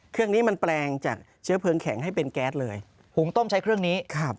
เครื่องนี้มันแปลงจากเชื้อเพลิงแข็งให้เป็นแก๊สเลยหุงต้มใช้เครื่องนี้ครับ